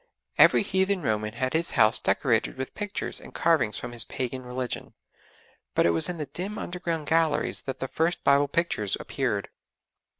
Every heathen Roman had his house decorated with pictures and carvings from his pagan religion, but it was in the dim underground galleries that the first Bible pictures appeared.